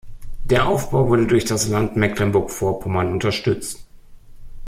Der Aufbau wurde durch das Land Mecklenburg-Vorpommern unterstützt.